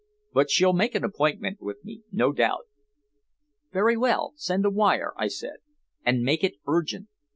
But she'll make an appointment with me, no doubt." "Very well. Send a wire," I said. "And make it urgent.